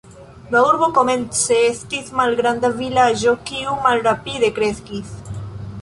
La urbo komence estis malgranda vilaĝo kiu malrapide kreskis.